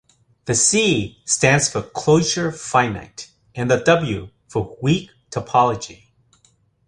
The "C" stands for "closure-finite", and the "W" for "weak topology".